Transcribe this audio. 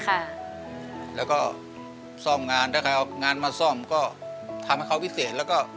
ค่ะแล้วก็ซ่อมงานถ้าใครเอางานมาซ่อมก็ทำให้เขาวิเศษแล้วก็